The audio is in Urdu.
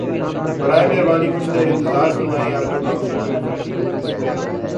براہ مہربانی کچھ دیر انتظار فرمائیں یا اپنے براؤزر کو ریفریش کریں